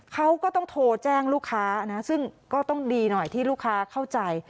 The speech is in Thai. เขาก็ต้องโทรแจ้งลูกค้านะซึ่งก็ต้องดีหน่อยที่ลูกค้าเข้าใจ